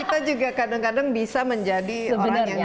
kita juga kadang kadang bisa menjadi orang yang